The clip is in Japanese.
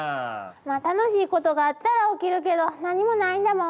まあ楽しいことがあったら起きるけど何もないんだもん。